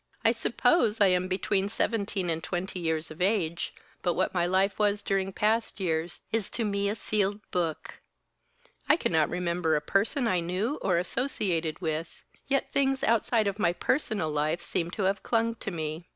"I suppose I am between seventeen and twenty years of age, but what my life was during past years is to me a sealed book. I cannot remember a person I knew or associated with, yet things outside of my personal life seem to have clung to me.